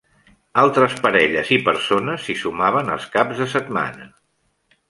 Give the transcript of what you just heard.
Altres parelles i persones s'hi sumaven els caps de setmana.